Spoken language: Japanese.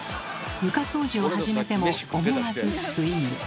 床掃除を始めても思わずスイング。